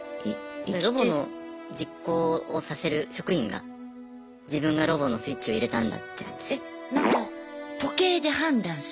ロボの実行をさせる職員が自分がロボのスイッチを入れたんだってなってしまう。